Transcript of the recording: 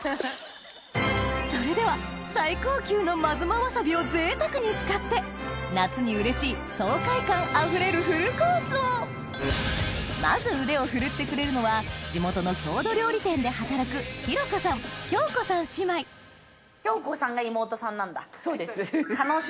それでは最高級の真妻わさびをぜいたくに使って夏にうれしい爽快感あふれるフルコースをまず腕を振るってくれるのは地元の郷土料理店で働く弘子さん恭子さん姉妹そうです。